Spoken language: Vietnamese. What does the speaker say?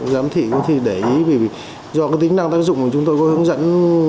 giám thị có thể để ý do tính năng tác dụng mà chúng tôi có hướng dẫn